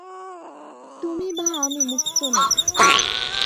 তুমি বা আমি মুক্ত নই।